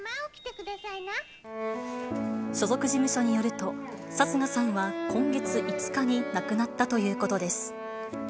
所属事務所によると、貴家さんは今月５日に亡くなったということです。